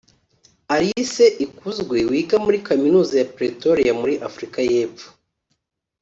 Alice Ikuzwe wiga muri Kaminuza ya Pretoria muri Afurika y’Epfo